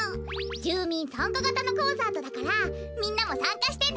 じゅうみんさんかがたのコンサートだからみんなもさんかしてね！